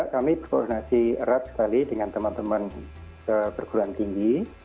kami berkoordinasi erat sekali dengan teman teman perguruan tinggi